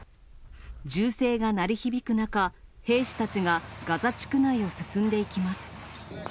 銃声が鳴り響く中、兵士たちがガザ地区内を進んでいきます。